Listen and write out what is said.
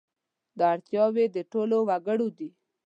دا اړتیاوې د ټولو وګړو دي.